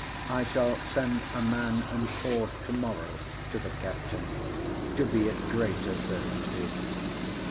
I shall send a man and horse to morrow to the Captain, to be at greater certainty.